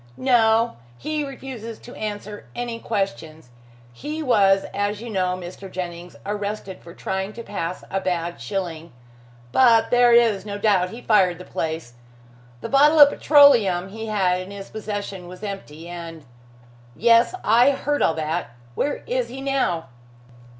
"No. He refuses to answer any questions. He was, as you know, Mr. Jennings, arrested for trying to pass a bad shilling, but there is no doubt he fired the place. The bottle of petroleum he had in his possession was empty, and " "Yes! I heard all that. Where is he now?"